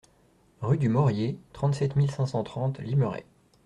Rue du Morier, trente-sept mille cinq cent trente Limeray